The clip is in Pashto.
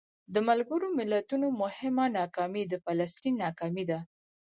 د ملګرو ملتونو مهمه ناکامي د فلسطین ناکامي ده.